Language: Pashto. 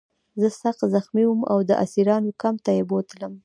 زه سخت زخمي وم او د اسیرانو کمپ ته یې بوتلم